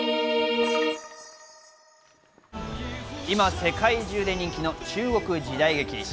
今、世界中で人気の中国時代劇。